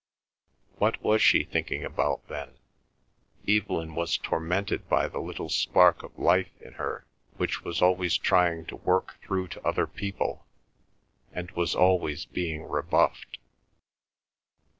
What was she thinking about, then? Evelyn was tormented by the little spark of life in her which was always trying to work through to other people, and was always being rebuffed.